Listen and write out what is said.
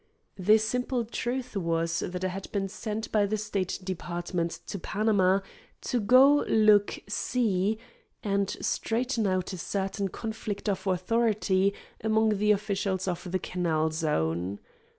The simple truth was that I had been sent by the State Department to Panama to "go, look, see," and straighten out a certain conflict of authority among the officials of the canal zone.